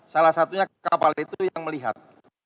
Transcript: salah satunya kapal itu yang melihat